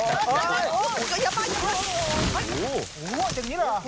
โอ้โหจังงี้เหรอ